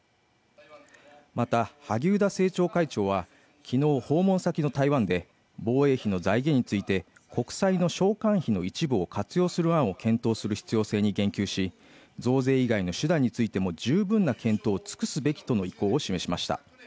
また萩生田政調会長はきのう訪問先の台湾で防衛費の財源について国債の償還費の一部を活用する案を検討する必要性に言及し増税以外の手段についても十分な検討を尽くすべきとの意向を示しました